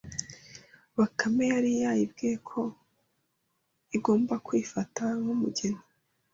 Bakame yari yayibwiye ko igomba kwifata nk' umugeni,